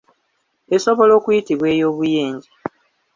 Esobola okuyitibwa ey'obuyenje.